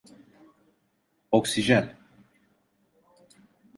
Oksijen!